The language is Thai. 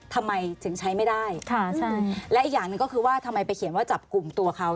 ทำไมถึงใช้ไม่ได้ค่ะใช่และอีกอย่างหนึ่งก็คือว่าทำไมไปเขียนว่าจับกลุ่มตัวเขา